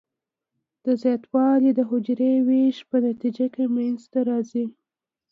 دا زیاتوالی د حجروي ویش په نتیجه کې منځ ته راځي.